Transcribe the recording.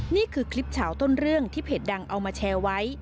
นี่คือคลิปเฉาต้นเรื่องที่เพจดังเอามาแชร์ไว้